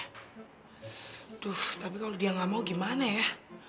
aduh tapi kalau dia nggak mau gimana ya